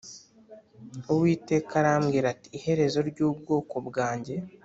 Uwiteka arambwira ati Iherezo ry ubwoko bwanjye